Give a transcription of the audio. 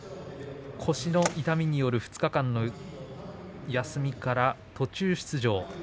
腰の痛みによる２日間の休みから途中出場。